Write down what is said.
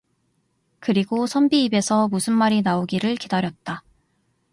그리고 선비 입에서 무슨 말이 나오기를 기다렸다.